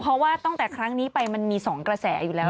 เพราะว่าตั้งแต่ครั้งนี้ไปมันมี๒กระแสอยู่แล้ว